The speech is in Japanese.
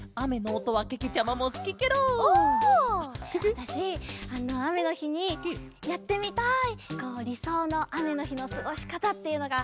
わたしあめのひにやってみたいりそうのあめのひのすごしかたっていうのがふたつあって。